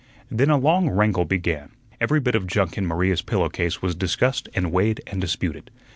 Then a long wrangle began. Every bit of junk in Maria's pillow case was discussed and weighed and disputed.